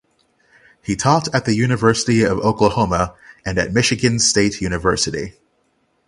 He taught at the University of Oklahoma and at Michigan State University.